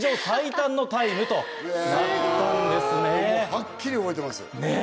はっきり覚えてます。